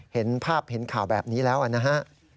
เห็นภาพเห็นข่าวแบบนี้แล้วนะฮะ